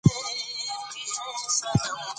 پامیر د افغانستان د جغرافیوي تنوع یو څرګند مثال دی.